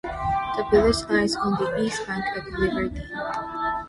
The village lies on the east bank of the River Dee.